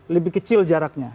lebih kecil jaraknya